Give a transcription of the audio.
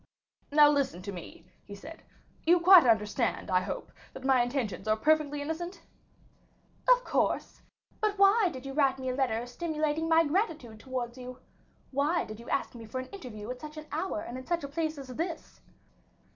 "Now, listen to me," said he; "you quite understand, I hope, that my intentions are perfectly innocent?" "Of course. But why did you write me a letter stimulating my gratitude towards you? Why did you ask me for an interview at such an hour and in such a place as this?"